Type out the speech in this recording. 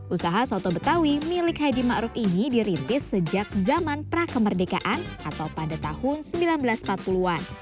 usaha soto betawi milik haji ⁇ maruf ⁇ ini dirintis sejak zaman prakemerdekaan atau pada tahun seribu sembilan ratus empat puluh an